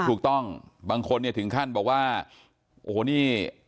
ถูกต้องบางคนเนี่ยถึงขั้นบอกว่าโอ้โหนี่